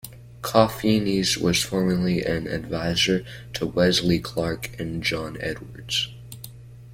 Kofinis was formerly an adviser to Wesley Clark and John Edwards.